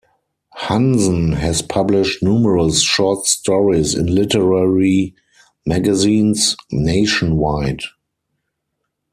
Hansen has published numerous short stories in literary magazines nationwide.